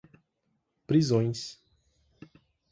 prisões